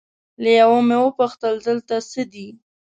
له یوه مې وپوښتل دلته څه دي؟